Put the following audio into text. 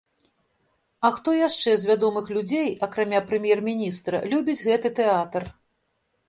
А хто яшчэ з вядомых людзей, акрамя прэм'ер-міністра любіць гэты тэатр?